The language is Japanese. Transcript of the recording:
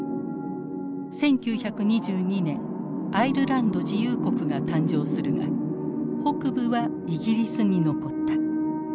１９２２年アイルランド自由国が誕生するが北部はイギリスに残った。